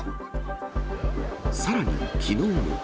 さらに、きのうも。